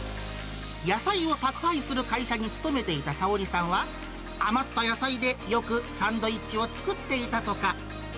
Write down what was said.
野菜を宅配する会社に勤めていた沙織さんは、余った野菜でよくサンドイッチを作っていたとか。